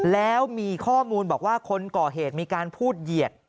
แล้วมีข้อมูลบอกว่าคนก่อเหตุมีการพูดเหยียด